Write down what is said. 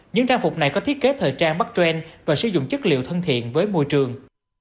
những trang phục này có thiết kế thời trang brtren và sử dụng chất liệu thân thiện với môi trường